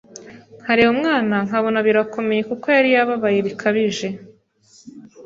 nkareba umwana nkabona birakomeye kuko yari yababaye bikabije,